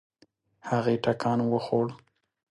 هغې ټکان وخوړ.